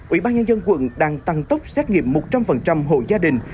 ủy ban nhân dân quận đang tăng tốc xét nghiệm một trăm linh hộ gia đình